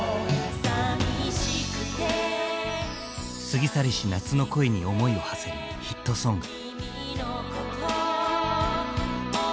過ぎ去りし夏の恋に思いを馳せるヒットソング。